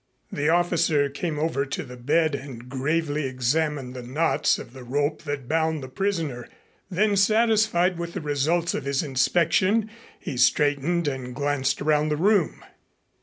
The officer came over to the bed and gravely examined the knots of the rope that bound the prisoner. Then, satisfied with the results of his inspection, he straightened and glanced around the room.